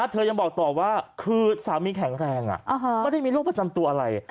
เธอยังบอกต่อว่าคือสามีแข็งแรงไม่ได้มีโรคประจำตัวอะไร